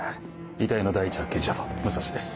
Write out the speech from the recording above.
遺体の第一発見者は武蔵です。